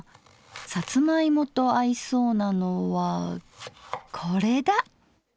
さつま芋と合いそうなのはこれだ！